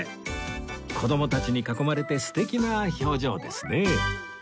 子供たちに囲まれて素敵な表情ですね